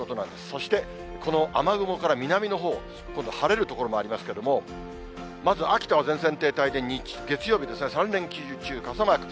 そして、この雨雲から南のほう、今度晴れる所もありますけれども、まず、秋田は前線停滞で、月曜日ですね、３連休中、傘マーク。